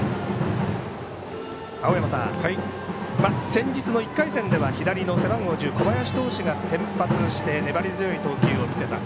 先日の１回戦では左の背番号１０小林投手が先発して粘り強い投球を見せた。